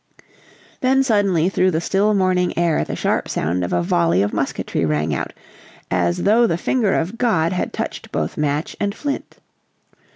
Then suddenly through the still morning air the sharp sound of a volley of musketry rang out "as though the finger of God had touched both match and flint."